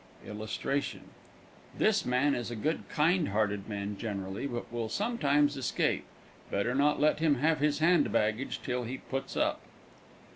This man is a good, kind hearted man generally, but will sometimes escape. Better not let him have his hand baggage till he puts up.